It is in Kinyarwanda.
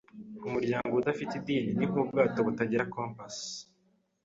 Umuryango udafite idini ni nkubwato butagira compas.